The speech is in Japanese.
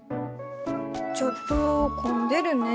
ちょっと混んでるね。